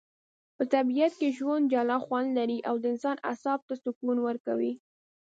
په طبیعت کي ژوند جلا خوندلري.او د انسان اعصاب ته سکون ورکوي